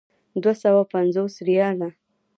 دوه سوه پنځوس ریاله.